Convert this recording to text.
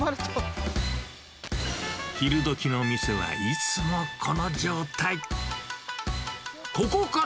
昼どきの店はいつもこの状態。